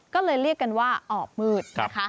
ก็เลยเรียกกันว่าออบมืดนะคะ